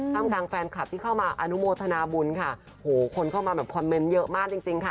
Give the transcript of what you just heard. ทำกลางแฟนคลับที่เข้ามาอนุโมทนาบุญค่ะโหคนเข้ามาแบบคอมเมนต์เยอะมากจริงจริงค่ะ